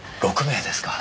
６名ですか。